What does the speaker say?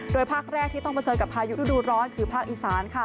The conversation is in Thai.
ภาคแรกที่ต้องเผชิญกับพายุฤดูร้อนคือภาคอีสาน